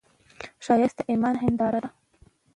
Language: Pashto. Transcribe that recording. ښایست د ایمان هنداره ده